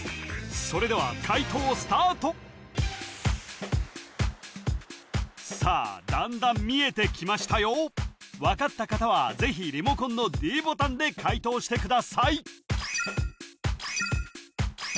それでは解答スタートさあだんだん見えてきましたよ分かった方はぜひリモコンのｄボタンで解答してください